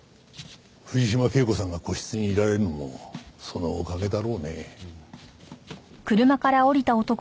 藤島圭子さんが個室にいられるのもそのおかげだろうね。